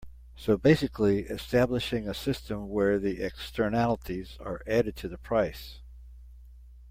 So basically establishing a system where the externalities are added to the price.